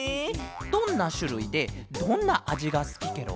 どんなしゅるいでどんなあじがすきケロ？